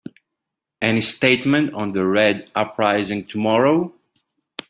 Any statement on the Red uprising tomorrow?